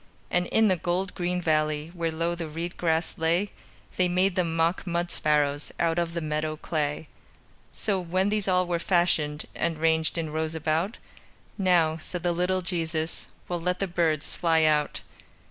And in the gold green valley, Where low the reed grass lay, They made them mock mud sparrows Out of the meadow clay. So, when these all were fashioned, And ranged in rows about, "Now," said the little Jesus, "We'll let the birds fly out."